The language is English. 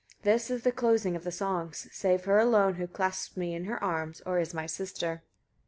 This is the closing of the songs) save her alone who clasps me in her arms, or is my sister.